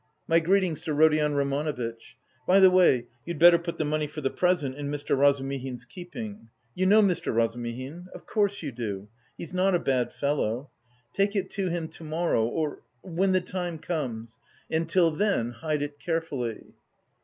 "My greetings to Rodion Romanovitch. By the way, you'd better put the money for the present in Mr. Razumihin's keeping. You know Mr. Razumihin? Of course you do. He's not a bad fellow. Take it to him to morrow or... when the time comes. And till then, hide it carefully."